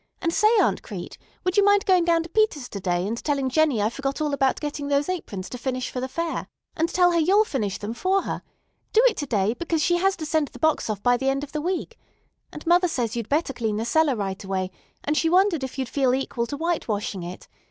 And say, Aunt Crete, would you mind going down to Peters's to day, and telling Jennie I forgot all about getting those aprons to finish for the fair, and tell her you'll finish them for her? Do it to day, because she has to send the box off by the end of the week. And mother says you better clean the cellar right away, and she wondered if you'd feel equal to whitewashing it.